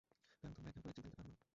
কারণ তোমরা একে অপরের যত্ন নিতে পার না।